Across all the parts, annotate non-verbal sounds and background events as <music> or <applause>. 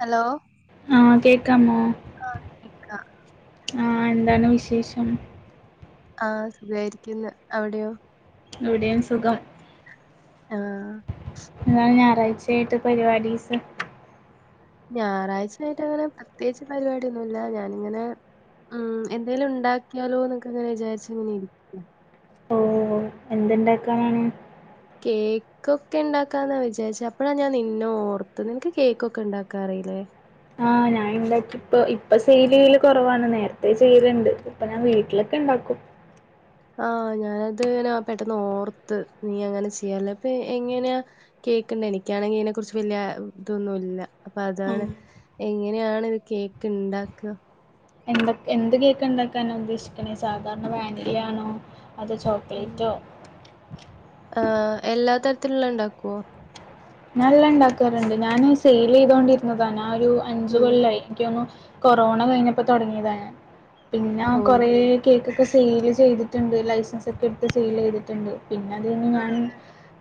Hello ആ കേക്കാമോ ആഹ് അക്ക ആഹ് എന്താണ് വിശേഷം ആഹ് സുഖായിരിക്കുന്നു അവിടെയോ എവിടെയും സുഖം ആഹ് എന്നാണ് ഞായറാഴ്ചയായിട്ട് പരിപാടിസ് ഞായറാഴ്ച ആയിട്ട് അങ്ങനെ പ്രത്യേകിച്ച് പരിപാടിയൊന്നുല്ല ഞാനിങ്ങനെ ഉം എന്തേങ്കലും ഉണ്ടാക്കിയാലോ എന്നൊക്ക അങ്ങനെ വിചാരിച്ച ഇങ്ങനെ ഇരി എന്തുണ്ടാക്കണം കേക്കൊക്കെ ഉണ്ടാക്കാന്നാ വിചാരിച്ച അപ്പോഴാ ഞാൻ നിന്ന ഓർത്തന്ന് എനിക്ക് കേക്കൊക്കെ ഉണ്ടാക്കാ അറിയില്ലേ ആഹ് ഞൻ ഉണ്ടാക്കി ഇപ്പൊ ഇപ്പൊ സെലെയില് കുറവാണ് നേരത്തെ ചെയ്യലണ്ട് ഇപ്പൊ ഞാൻ വീട്ടിലൊക്കെ ഉണ്ടാക്കും ആഹ് ഞാനത് പെട്ടന്ന് ഓർത്ത് നീ അങ്ങനെ ചെയ്യല്ലേ ഇപ്പൊ എങ്ങനെയാ കേൾക്കണ്ട് എനിക്കാണെങ്കിൽ അതിനെ കുറിച്ച് വല്ല്യ ഇതൊന്നുല്ല അപ്പൊ അതാണ് ആഹ് എങ്ങനെയാണ് ഇത് കേക്ക് ഉണ്ടാക്ക എന്ത എന്ത് കേക്കണ്ടാക്കാനോ ഉദ്ദേശിക്കണേ സാധാരണ വാനില ആണോ അതോ ചൊ ഉ ആഹ് എല്ലാ തരത്തിലുള്ള ഉണ്ടാക്കുവോ ഞ നല്ല ഉണ്ടാക്കാറുണ്ട് ഞാൻ സെയിൽ ചെയ്തോണ്ടിരുന്നതന്ന ആഹ് ഒരു അഞ്ച ഉം കൊല്ലായി എനിക്കൊന്നു കൊറോണ കഴിഞ്ഞപ്പോ തുടങ്ങിയതാണ് ഞൻ പിന്നെ ഓഹ് കൊറെ കേക്കൊക്കെ സെൽ ചെയ്തി ണ്ട് ലൈസൻസ് ഒക്കെ എടുത്ത് സെൽ ചെയ്തിട്ടുണ്ട് പിന്നെ അത് കഴിഞ് ഞാൻ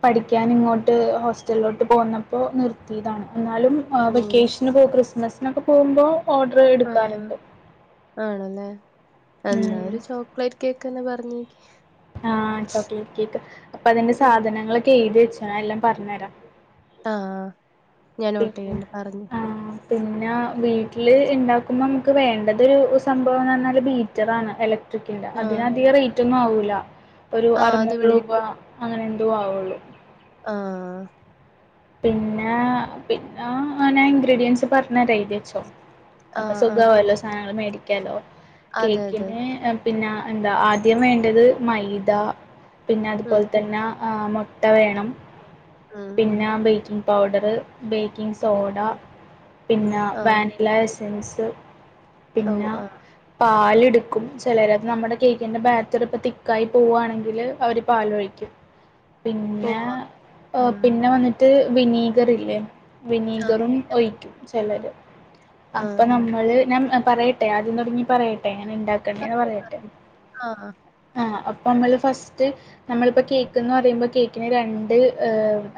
പഠിക്കാന് ഇങ്ങോട്ട് ഹോസ് സ്റ്റലിലോട്ട് പോകുന്നപ്പോൾ നിർത്തിയതാണ് എന്നാലും ഓഹ് വെക്കേഷന് പോ ക്രിസ്മസിനൊക്കെ പോകുമ്പോൾ ഓർഡർ ആഹ് എടുക്കാറുണ്ട് ആണല്ലേ എന്നാ ഉം ഒരു ചോക്ലേറ്റ് കേക്ക് തന്നെ പറഞ്ഞക്ക് ആഹ് ചോക്ലേറ്റ് കേക്ക് അപ്പൊ അതിന്റെ ഉം സാധനങ്ങളൊക്കെ എഴുതി വെച്ച എല്ലാം പറഞ്ഞരാം ആഹ് ഞാൻ നോട്ട് പിന്നെ ചെയ്യണ്ട് പറഞ്ഞു ആഹ് പിന്നെ വീട്ടിൽ ഉണ്ടാക്കുമ്പോൾ നമുക്ക് വേണ്ടതൊരു സംഭവം എന്ന് പറഞ്ഞാൽ ബീറ്ററാണ് എല ആഹ് അതിനധികം റേറ്റ് ഒന്നും ആവില്ല ഒരു ആഹ് അറനൂറ് അതിവിടെ രൂപ അങ്ങനെ എന്തോ ആവുള്ളൂ ആഹ് പിന്നെ പിന്ന ഞാൻ ഇൻഗ്രീഡിയൻസ് പറഞ്ഞരാ എഴതിച്ചോ അപ്പൊ ആഹ് ആഹ് സുഖാവോല്ലോ സാനങ്ങൾ മേടിക്കാലോ അതെ അതെ കേക്കിന് പിന്നെ എന്താ ആദ്യം വേണ്ടത് മൈദ പിന്നെ ഉം അതുപോലെ തന്നെ ആ ട്ട വേണം ആഹ് ന്ന് baking powder baking soda cake. ഉം പിന്നെ ആഹ് വാനി ല എസൻസ് ഓഹ് പിന്ന ആഹ് പാലെടുക്കും ചിലരത്ത് നമ്മുടെ കേക്കിന്റെ ബാറ്ററി ഇപ്പ തിക്കായി പോവുകവാണെങ്കിൽ അവര് പാാലൊഴിക്കും പിന്നെ ഓഹ് ആഹ് ഉം പിന്നെ വന്നിട്ട് വിനീഗറില്ലേ ആഹ് വിനീഗറും ഒഴിക്കും പെലര് അപ്പ ആഹ് നമ്മ നമ്മള് ഞാൻ പറയട്ടെ ആദ്യം തൊട്ങ്ങി പറയട്ടെ എങ്ങനെണ്ടാക്കണ്ട്യേന്ന് ആഹ് പറഞ്ഞോ പറയട്ടെ പറഞ്ഞോ ആഹ് ആഹ് അപ്പൊമ്മള് ഫസ്റ്റ് നമ്മളിപ്പോ കേക്ക്ന്ന് പറയുമ്പോ കേക്ക് രണ്ട്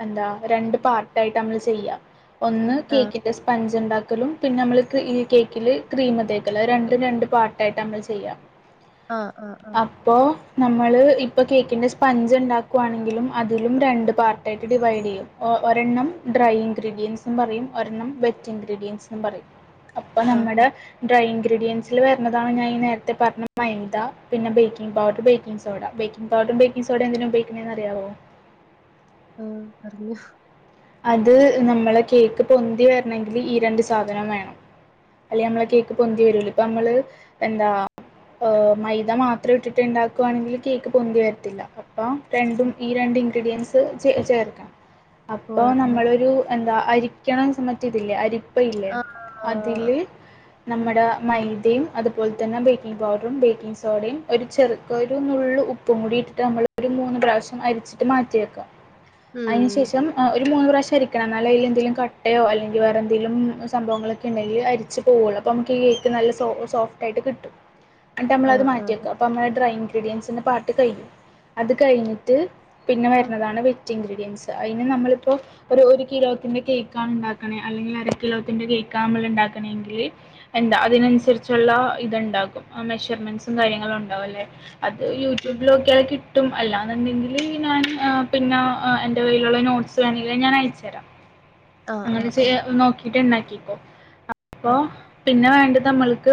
എന്താ പാർട്ടായിട്ട് മ്മള് ചെയ്യ ഒന്ന് ആഹ് കേക്ക്ന് സ്പഞ്ച്ണ്ടാക്കലും പിന്നെ നമ്മൾക് ഈ കേക്കിൽ ക്രീം തേക്കല് അഹ് രണ്ടും രണ്ട് പാർട്ടായിട്ടാ മ്മള് ചെയ്യാ <unintelligible> ആഹ് ആഹ് ആഹ് പ്പോ നമ്മള് ഇപ്പ കേക്കിൻ്റെ സ്പഞ്ച് ണ്ടാക്കുവാണെങ്കിലും അതിലും രണ്ട് പാർട്ടായിട്ട് ഡിവൈഡെയ്യും ഒ ഒരെണ്ണം ഡ്രൈ ഇൻഗ്രീഡിയൻസ്ന്നും പറയും ഒരെണ്ണം വെറ്റ് ഇൻഗ്രീഡിയൻ സ്‌ന്നും പറയും അപ്പ ആഹ് ആഹ് നമ്മടെ ഡ്രൈ ഇൻഗ്രീഡിയൻസില് വര്ണതാണ് ഞാൻ ഈ നേരത്തെ പറഞ്ഞ മൈദ പിന്നെ ബേക്കിംഗ് പൗഡർ ബേക്കിംഗ് സോഡ ബേക്കി ബാട്ടും ബേക്കിങ്ങ് സോഡെ ന്തിനാപയോഗിക്കിണെ അറിയാവോ? ഓഹ് അർഞ്ഞൊ അത് നമ്മളെ കേക്ക് പൊന്തി വെര്ണങ്കില് ഈ രണ്ട് സാധനം വേണം അല്ലെ നമ്മളെ കേക്ക് പൊന്തി വരൂല പ്പമ്മള് എന്താ ഓഹ് മൈദ മാത്ര ഇട്ടിട്ടുണ്ടാക്കുവാണെങ്കില് കേക്ക് പൊന്തി വരത്തില്ല പ്പം രണ്ടും ആഹ് ഈ രണ്ട് ഇൻഗ്രീഡിയൻസ് ചേ ചേർക്കാം ഓഹ് പ്പൊ ആണല്ലേ നമ്മളൊരു എന്താ അരിക്കണം സമറ്റതില്ലേ അരി പ്പയില്ലേ ആഹ് അതില് ഉം നമ്മട മൈദയും അതുപോൽ തന്നെ ബേക്കിംഗ് പൗഡറും, ബേക്കിങ് സോഡയും, ഒരു ചെറുക്ക് ഒരു നുള്ള് ഉപ്പും കൂടിയിട്ട് നമ്മള് ഒരു മൂന്ന് പ്രാവശ്യം അരിച്ചിട്ട് മാറ്റി വെക്ക. അയ്നു ഉം ശേഷം ആഹ് ഒരു മൂന്ന് പ്രാവശ്യ അരിക്കണം ന്നാലെ അയ്ലെന്തെലും കട്ടയോ അല്ലെങ്കി വേറെന്തേലും സംഭവങ്ങള് ക്കെണ്ടെങ്കി അരിച്ചു പോവൊള്ളൂ അപ്പം മ്മക്കീ കേക്ക് നല്ല സോ സോഫ്റ്റായിട്ട് കിട്ടും എംട്ടമ്മളത് ആഹ് ആഹ് മാറ്റ്യക്ക അപ്പമ്മളെ ഡ്രൈ ഇൻഗ്രീഡിയൻസിന്റെ പാട്ട് കഴിയും അത് കഴിഞ്ഞിട്ട് പിന്നെ വര്ന്നതാണ് വിറ്റിൻഗ്രീഡിയൻസ് അയ്ന് നമ്മളിപ്പോ ഒരു ഒരു കിലോത്തിന്റെ കേക്കാണ് ണ്ടാക്കണേ അല്ലെങ്കിലര കിലോത്തിന്റെ കേക്കാമ്മള്ണ്ടാക്കണെങ്കില് എന്താ അഅ് തിനൻസരിച്ചുള്ള ഇത്ണ്ടാകും അ മെഷർമെന്റ്സും കാര്യങ്ങളും ണ്ടാവല്ലെ അത് യൂട്യൂബിലോക്കി ക്യാ കിട്ടും അല്ലാന്ന് ണ്ടെങ്കില് ഞാൻ ആഹ് പിന്നെ അ എന്റെ വൈ ട്ട്യാളെ നോട്സ് വേണെങ്കിലത് ഞാനയ്ച്ചരാം അങ്ങനെ ചെയ നോക്കിട്ട്ണ്ടാക്കിക്കോ അപ്പൊ പിന്നെ വേണ്ടത് നമ്മൾക്ക്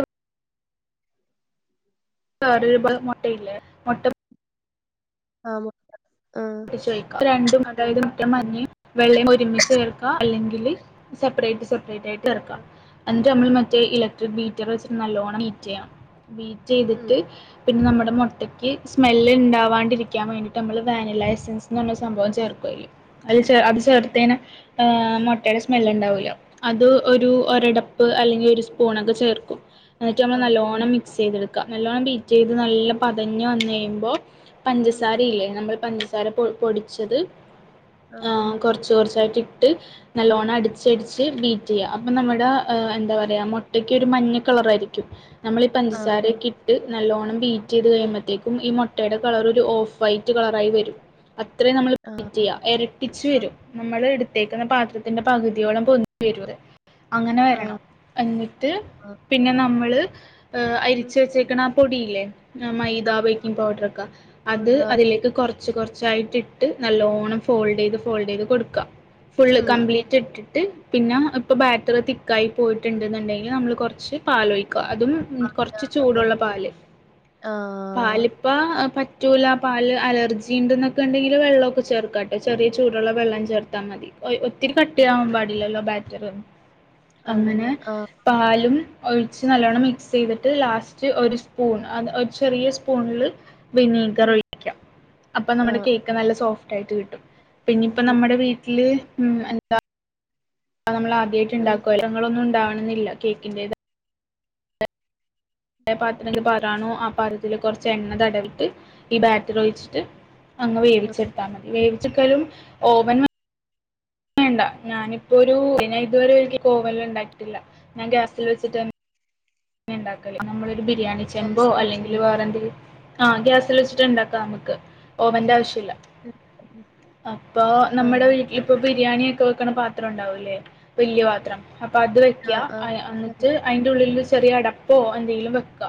വേറൊരു ബ മൊട്ടയില്ലേ മൊട്ട ആഹ് മുട്ട ആഹ് ചൊയ്ക്ക ത് രണ്ടും അതായത് മുട്ടെം, മഞ്ഞിം, വെള്ളേം ഒരുമിച്ച് ചേർക്ക അല്ലെങ്കില് സപ്പറേറ്റ് സപ് പ്രേറ്റായ്റ്റെറക്ക എന്നിട്ടമ്മള് മറ്റേ ഇലക്ട്രിക് ബീറ്റർവെച്ച്ട്ട് നല്ലോണം മീറ്റ് ചെയ്യണം ബീ റ്റെയ്തിട്ട് പിന്നെ നമ്മുടെ മൊട്ടയ്ക്ക് സ്മെല്ല്ണ്ടാവാണ്ടിരിക്ക്യാൻ വേണ്ടിട്ടമ്മള് വാനില എസ് സൻസ് ന്നർഞ്ഞൊരു സംഭവം ചേർക്കൊയ്ല് അയ്‌ല് ചേ അത് ചേർത്തേന ആഹ് മൊട്ടേടെ സ്മെല്ല്ണ്ടാവൂല അതു ഒരു ഒരടപ്പ് അല്ലെങ്കിലൊരു സ്പൂണൊക്കെ ചേർക്കും എന്നിട്ട് നമ്മൾ നല്ലോണം മിക്സെയ്തെടുക്ക നല്ലോണം ബീറ്റെയ്ത് നല്ല പതഞ്ഞ് വന്നയ്യുമ്പോ പഞ്ചസാരയില്ലേ നമ്മള് പഞ്ചസാര പൊ പൊടിച്ചത് ആഹ് കൊർച്ച് കൊർച്ചായ്റ്റിട്ട് നല്ലോണടിച്ചടിച്ച് ബീറ്റെയ്യ അപ്പൊ നമ്മുടെ എ എന്താ പറയാ മൊട്ടക്കൊരു മഞ്ഞ കളറാരിക്കും നമ്മളീ പഞ്ചസാരൊക്കി ട്ട് നല്ലോണം ബീറ്റെയ്ത് കഴിയുമ്പഴ്ത്തേക്കും ഈ മൊട്ടേടെ കളറൊരു ഓഫ് വൈറ്റ് കളറായി വരും അത്രേം നമ്മള് വി റ്റെയ്യ എര ട്ടിച്ചു വരും നമ്മള് എടുത്തേക്കുന്ന പാത്രത്തിന്റെ പകുതിയോളം പൊന്തി വരു അത് അങ്ങനെ വരണം എന്നിട്ട് പിന്നെ നമ്മള് ഏ അരിച്ച് വെച്ചേക്ക്ണ പൊടില്ലേ ആ മൈദ ബേക്കിംഗ് പൗഡറൊക്കെ അത് അതിലേക്ക് കൊർച്ച് കൊർ ച്ചായിട്ട്ട്ട് നല്ലോണം ഫോൾഡ് ചെയ്ത് ഫോൾഡ് ചെയ്ത് കൊടുക്കാ. ഫുള്ള് കംപ്ലീറ്റ്ട്ടിട്ട്. പിന്നാ ഇപ്പൊ ബാറ്ററ് തിക്കായി പോയിട്ട്ണ്ടെന്നുണ്ടെങ്കില് നമ്മള് കൊർച്ച് പാലൊഴിക്ക അതും. ഉം കൊറച്ച് ചൂടുള്ള പാല് പാല് പ്പ പറ്റൂല പാല് അലർജിണ്ട്ന്നൊ ണ്ടെങ്കില് വെള്ളവൊക്കെ ചേർക്കാട്ടോ ചെറിയ ചൂടുള്ള വെള്ളം ചേർത്താ മതി ഒത്തിരി കട്ടിയാവാൻ പാടി ല്ലല്ലോ ബാറ്ററ്? അങ്ങനെ ആണല്ലേ. പാലും ഒഴിച്ച് നല്ലോണ്ണം മിക്സെയ്തിട്ട് ലാസ്റ്റ് ഒരു സ്പൂൺ അത് ഒരു ചെറിയ സ്പൂ പൂൾല് വിനീഗറൊഴിക്കാ അപ്പൊ നമ്മുടെ കേക്ക് നല്ല സോഫ്റ്റായിട്ട് കിട്ടും. പിന്നിപ്പ നമ്മുടെ വീട്ടില് ഉം എന്താ നമ്മളാദ്യയിട്ട്ണ്ടാക്കുവല്ലേ ങ്ങളൊന്നും ഇണ്ടാവണന്നില്ല കേകിന്റേതാ പ പാത്രത്തിക്ക് പാരാനും ആപാത്രത്തില് കൊറച്ചെണ്ണ തടവിട്ട് ഈ ബാറ്ററൊഴിച്ചിട്ട്. അങ്ങ് വേവിച്ചെടുത്താ മതി വേവിച്ച ക്കലും ഓവ ൻ വേണ്ട ഞാനിപ്പൊരു ഞാ ഇതുവരെ ഓവനില്ണ്ടാകിട്ടില്ല ഞാൻ ഗ്യാസില് വെച്ചിട്ടന്നെ ണ്ടാകല് നമ്മളൊരു ബിരിയാണി ചെമ്പോ, ഗ്യാസ് അല്ലെങ്കിൽ വെച്ചല്ലേ. വേറെന്തെ ആ ഗ്യാസില് വച്ചിട്ട്ണ്ടാക്കാ നമക്ക് ഓവന്റാവിശ്യല്ല. അപ്പൊ ആ, നമ്മടെ വീ ഇപ്പൊ ബിരിയാണിയൊക്കെ വെക്കണ പാത്രം ഉണ്ടാവൂല്ലേ വല്ല്യ പാത്രം? അപ്പ അത് ആ, വെക്കാ ആ, എന്നിട്ട് അയിന്റുള്ളില് വെച്ചി ട്ട് ചെറിയടപ്പോ എന്തെങ്കിലും വെക്ക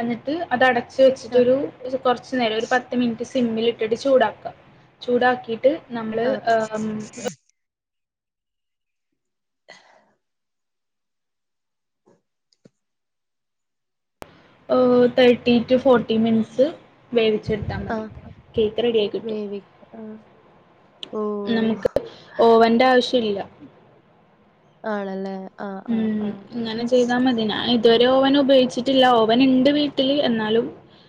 എന്നിട്ട് അതടച്ച് ടച്ച് ആ, വെച്ചിട്ടൊരു കുറച്ച് നേരം ഒരു പത്ത് മിനിറ്റ് സിമ്മിലിട്ടിട്ട് ചൂടാക്കാ ചൂടാക്കിയിട്ട്. നമ്മള് ആ, ആ, ഏം നമ്മള് തേർട്ടി ടു ഫോർട്ടി മിനിറ്റ്സ് വേവിച്ചെടുത്താ മതി കേക്ക് റെഡിയായി കിട്ടും. ആഹ് നമുക്ക് ഓവന്റാവിശ്യല്ല. ആണല്ലേ? ആ, ആ, ഉം ആ, ഇങ്ങനെ ചെയ്താ മതി ഞാ ഇതുവരെ ഓവനുപയോഗിച്ചിട്ടില്ല ഓവന്ണ്ട് വീട്ടില് എന്നാലും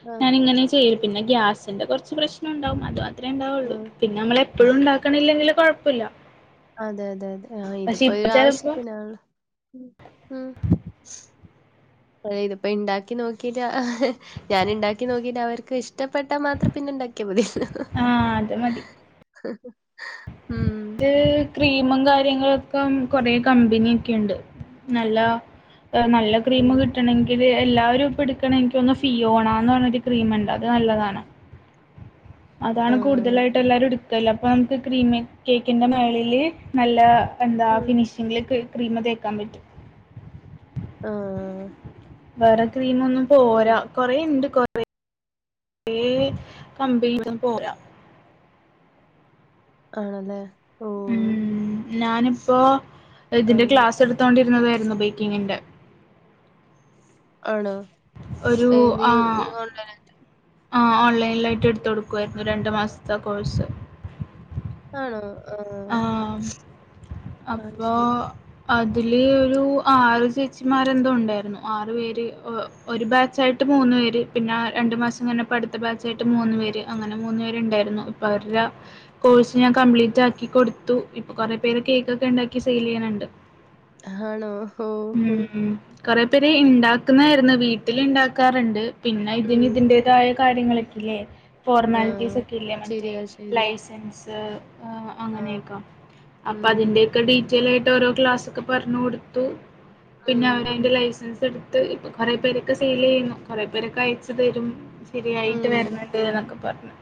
ആ, ഞാനിങ്ങനെ ചെയ്യാ ചെയ്യല് പിന്നെ ഗ്യാസിന്റെ കൊറച്ച് പ്രശ്നൊണ്ടാവും അത് ആ. മാത്രമേണ്ടാവൊള്ളൂ പിന്നെ നമ്മളെപ്പളുണ്ടാ ക്ക്ണില്ലെങ്കില് കൊഴപ്പല്ല. അതെ അതെ അതെ ആ ഇതിപ്പോരു ചിലപ്പോ ആവശ്യത്തിനാല്ലോ ഉം ഉം. അയ്ല്പ്പ്പണ്ടാക്കി നോക്കിട്ട ഞാന്ണ്ടാക്കി നോക്കിട്ട് അവർക്ക്ഷ്ടപ്പെട്ടാ മാത്രം പിന്നെണ്ടാക്കിയ മതിയല്ലോ. ആഹാ അത്‌ മതി. ഉം. ഇത് ക്രീമും കാര്യങ്ങളൊക്കെ കൊറേ കമ്പനിയൊക്കെയുണ്ട് നല്ല ഏഹ് നല്ലക്രീം ആണോ കിട്ട ണെങ്കില് എല്ലാവരുപ്പെടുക്കണങ്കില് ഒന്ന് ഫിയോണാന്ന് പറഞ്ഞൊരു ക്രീമ്ണ്ട് അത് നല്ലതാണ്. അതാണ് ആഹ് കൂടുതലായിട്ടെല്ലാരും എടുക്കല് അപ്പൊ നമുക്ക് ക്രീമ് കേക്കിന്റെ ഉം മേളില്. നല്ല എന്താ ഉം ഫിനിഷിങ്ങില് ക്രീമ തേക്കാൻ പറ്റും. ആഹാ വേറെ ക്രീമൊന്നും പോര. കൊറേയിണ്ട് കൊറേ കമ്പനിയൊന്നും പോരാ. ആണല്ലേ? ഓഹ് ഉം നാനിപ്പോ ഇതിന്റെ അങ്ങനെ ഉം ക്ലാസ്ടുത്തോണ്ടിരുന്നതേയിരുന്നു ബേക്കിങ്ങിന്റെ. ആണോ? ഒരു എന്ത് ആ ഈ ഓൺലൈനായിട്ടോ? ആ ഓൺലൈനിലായിട്ട് എടുത്ത് കൊടുക്കുമായിരുന്നു രണ്ടു മാസത്തെ കോഴ്സ്. ആണോ? ആഹ് അത് അപ്പോ. ശരി അതില് ഒരു ആറ് ചേച്ചിമാരെന്തോ ഉണ്ടായിരുന്നു ആറ് പേര്. ഒരു ബാച്ചായിട്ട് മൂന്ന് പേര് പിന്നെ രണ്ടു മാസം കഴിഞ്ഞപ്പോ അട്ത്ത ബാച്ചായിട്ട് മൂന്ന് പേര് അങ്ങനെ മൂന്ന് പേര്ണ്ടായിരുന്നു. വരാ കോഴ്സ് ഞാൻ കംപ്ലീറ്റ് ആക്കി. കൊട്ത്തു ഇപ്പോ കൊറെ പേര് ഉം കേക്കൊക്കെണ്ടാക്കി സെയില് ചെയ്യ്ണ് ണ്ട്. ആണോ ഓഹോ ഉം. കൊറെ പേര് ഇണ്ടാക്കുന്നായിരുന്നു വീട്ടില് ഇണ്ടാക്കാറ്ണ്ട് പിന്നെ ഇതിന് ഉം ഇതിൻ്റെ തായ കാര്യങ്ങളൊക്കെ ഇല്ലേ ആഹ് ഫോർമാലിറ്റീസ് ഒക്കെ ഇല്ലേ മറ്റേ ശരിയാ ശരിയാ ലൈസൻസ്. അ് അഹ് ആഹ് അങ്ങനെയൊക്കെ അപ്പ ഉം അതിന്റെ. ക്കെ ഡീറ്റെൽ ആയിട്ട് ഓരോ ക്ലാസ് ഒക്കെ പറ്ഞ്ഞ് കൊട്ത്തു പിന്നെ ഉം അവരതിന്റെ ലൈസൻസ് എട് അ് ഇപ്പം കൊറെ പേരൊക്കെ സെയില് ചെയ്യ്ന്നു കൊറെ പേരൊക്കെ അയച്ച് തരും. ശരിയായിട്ട് ഉം വര്ന്ന്ണ്ട് എന്നൊക്കെ പറ്ഞ്ഞ്.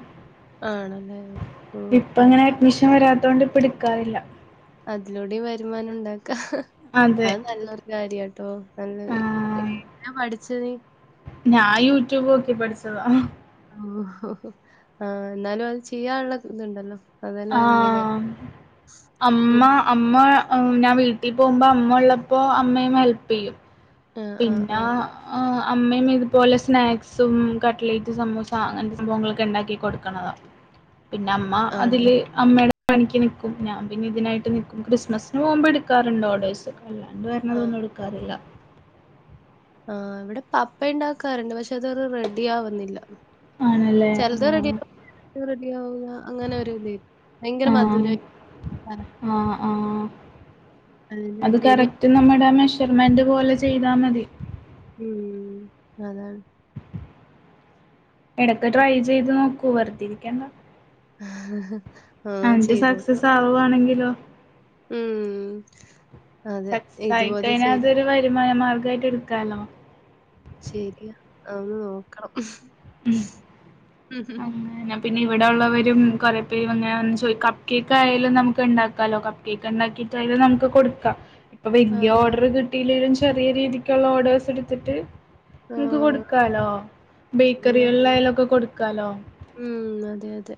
ആണല്ലേ ഓ അങ്ങനെ അഡ്മീ ൻ വരാത്തോണ്ട് ഇപ്പട്ക്കാറില്ല. അതിലൂടിം വരുമാനം ഉണ്ടാക്ക അതെ അത് നല്ലൊരു കാര്യട്ടോ. നല്ലത് ആ ഏതിന പഠിച്ച നീ? ഞാ യൂട്യൂബ് നോക്കി പഠിച്ചതാ. ഓ ഓഹ് ഓ ആഹാ ന്നാലും അത് ചെയ്യാന്ള്ള ഇത്ണ്ടല്ലോ. ആഹ് അമ്മ. ഉം. അമ്മ മ് ഞാൻ വീട്ടി പോകുമ്പോ അമ്മ ഉള്ളപ്പോ അമ്മയും ഹെല്പ് ചെയ്യും. ആഹ് ആഹ് പിന്ന. ആഹ്. അഹ് അമ്മയും ഇതുപോലെ സ്നാക്സും കട്ലേറ്റ് സമൂസ അങ്ങന് ത്തെ സംഭവങ്ങളൊക്കെ ഇണ്ടാക്കി കൊടുക്ക്ണതാ. പിന്ന അമ്മ ആണോ? അതില്. അമ്മേയുടെ പണിക്ക് നിക്കും ഞാൻ പിന്നെ ഇതിനായിട്ട് നിക്കും ക്രിസ്മസിന് പോകുമ്പോ എട്ക്കാറുണ്ട് ഓഡേഴ്സ്. അല്ലാണ്ട് ആഹ് വര്ണതൊന്നും എടുക്കാറില്ല. ആഹ് ഇവിടെ പപ്പ ഇണ്ടാക്കാറ്ണ്ട് പക്ഷേ അതൊരു റെഡി ആവുന്നില്ല. ആണല്ലേ. ചെല്ത് റെഡിയ ആഹ് വും ചെലത് റെഡിയാ വുല അങ്ങനെ ഒരു ഇതായി ഭയങ്കര ആഹ് മധുരയി <unintelligible> ആഹ് ആഹ് കലക്കലില് അത് ശരിയാ കറക് റ്റ് നമ്മുടെ മെഷർമെന്റ് പോലെ ചെയ്താ മതി. ഉം അതാണ്. ഇടക്ക് ട്രൈ ചെയ്ത് നോക്കൂ വെറ്തേ ഇരിക്കണ്ട. <inaudible> അന്റെ ചെയ്തോക്കണം. സക്സസ് ആവുവാണെങ്കിലോ? ഉം. അതെ. സക്സസ് ഇതുപോലെ ആയിക്കഴിഞ്ഞ ചെയ്ത് അതൊരു വരുമാന മാർഗായിട്ട് എട്ക്കാലോ? ശരിയാ അതൊന്ന് നോക്കണം. അങ്ങനെ പിന്നെ ഇവിടെ ഉള്ളവരും കുറെ പേര് വന്ന് ചോയിക്ക കപ്പ് കേക്ക് ആയാലും നമുക്ക് ഇണ്ടാക്കാല്ലോ കപ്പ് കേക്ക് ഇണ്ടാക്കിട്ടായാലും നമുക്ക് കൊട്ക്കാം. ഇപ്പ ആ വല്ലൃ ഓർഡർ കിട്ടിയില്ലെലും ചെറിയ രീതിക്ക്ള്ള ഓഡേഴ്സ്. ത്തിട്ട് ആ ഇങ്ങക്ക് കൊടുക്കാലോ ബേക്കറികളിലായാലൊക്കെ കൊട്ക്കാലോ. ഉം അതെ അതെ.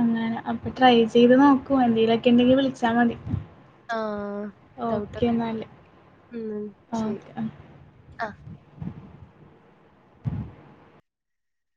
അങ്ങനെ അപ്പം ട്രൈ ചെയ്ത് നോക്കൂ എന്തേലൊക്കെണ്ടെങ്കിൽ വിള്ച്ചാ മതി. ആഹ്‌ ഡൗട്ട് ഒക്കെ ണ്ടേ വിളിക് ഉം. ആഹ്‌ ഓക്കെ അ <inaudible>